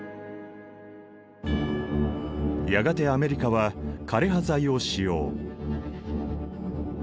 やがてアメリカは枯葉剤を使用。